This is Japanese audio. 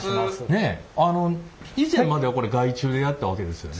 あの以前まではこれ外注でやったわけですよね？